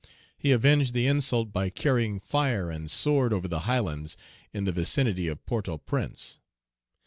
He avenged the insult by carrying fire and sword over the highlands in the vicinity of Port au Prince.